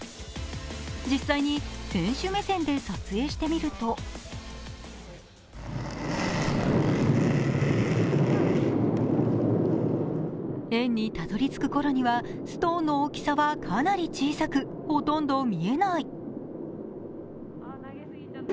実際に選手目線で撮影してみると円にたどりつくころにはストーンの大きさはかなり小さくほとんど見えない。